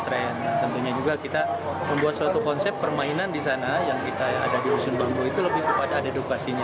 tren tentunya juga kita membuat suatu konsep permainan di sana yang kita ada di rusun bambu itu lebih kepada edukasinya